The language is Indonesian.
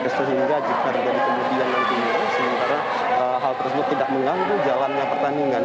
sehingga jika terjadi kemudian nantinya sementara hal tersebut tidak mengganggu jalannya pertandingan